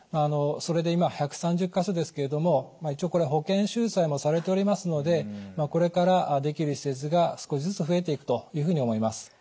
それで今１３０か所ですけれども一応これ保険収載もされておりますのでこれからできる施設が少しずつ増えていくというふうに思います。